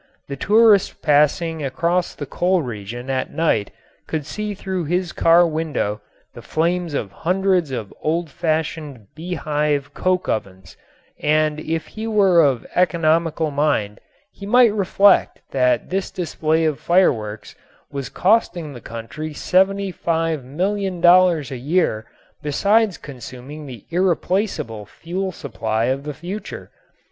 The tourist passing across the coal region at night could see through his car window the flames of hundreds of old fashioned bee hive coke ovens and if he were of economical mind he might reflect that this display of fireworks was costing the country $75,000,000 a year besides consuming the irreplaceable fuel supply of the future.